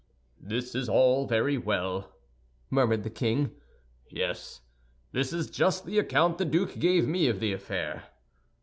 "This is all very well," murmured the king, "yes, this is just the account the duke gave me of the affair.